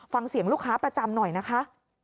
ฟังเสียงลูกค้าประจำหน่อยนะคะ